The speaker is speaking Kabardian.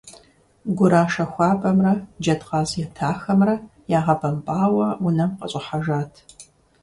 Гурашэ хуабэмрэ джэдкъаз етахэмрэ ягъэбэмпӀауэ унэм къыщӀыхьэжат.